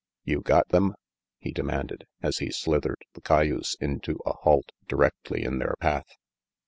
"You got them?" he demanded, as he slithered the cayuse into a halt directly in their path.